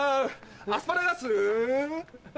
アスパラガス？